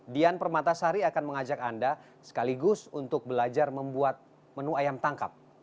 dian permatasari akan mengajak anda sekaligus untuk belajar membuat menu ayam tangkap